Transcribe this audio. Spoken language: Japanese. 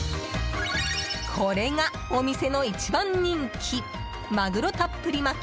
これが、お店の一番人気まぐろたっぷり巻。